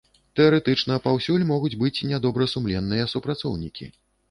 Тэарэтычна паўсюль могуць быць нядобрасумленныя супрацоўнікі.